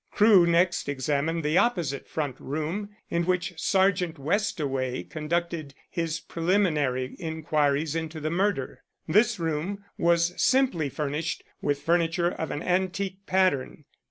Crewe next examined the opposite front room in which Sergeant Westaway conducted his preliminary inquiries into the murder. This room was simply furnished with furniture of an antique pattern.